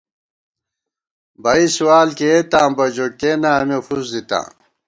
بئ سوال کېئیتاں بہ ، جو کېناں اېمے فُس دِتاں